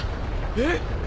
えっ！？